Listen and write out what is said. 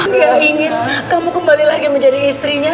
dia ingin kamu kembali lagi menjadi istrinya